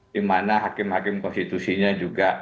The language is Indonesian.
dimana hakim hakim konstitusinya juga